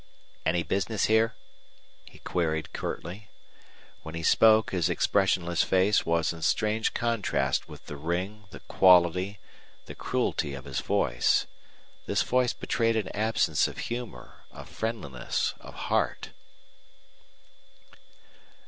"Any business here?" he queried, curtly. When he spoke his expressionless face was in strange contrast with the ring, the quality, the cruelty of his voice. This voice betrayed an absence of humor, of friendliness, of heart.